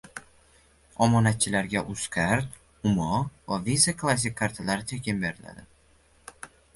Omonatchilarga Uzcard, Humo va Visa Classic kartalari tekin beriladi